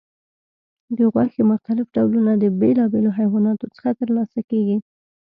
د غوښې مختلف ډولونه د بیلابیلو حیواناتو څخه ترلاسه کېږي.